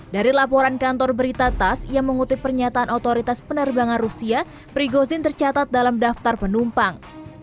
dari laporan kantor berita tas ia mengutip pernyataan otoritas penerbangan rusia prigozhin tercatat dalam daftar penumpang